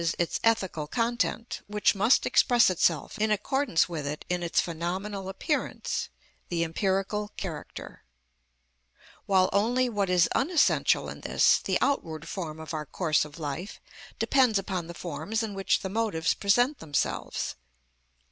_, its ethical content, which must express itself in accordance with it in its phenomenal appearance, the empirical character; while only what is unessential in this, the outward form of our course of life, depends upon the forms in which the motives present themselves.